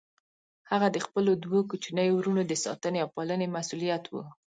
هغه د خپلو دوه کوچنيو وروڼو د ساتنې او پالنې مسئوليت و.